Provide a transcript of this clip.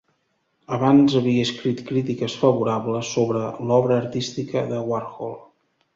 Abans havia escrit crítiques favorables sobre l'obra artística de Warhol.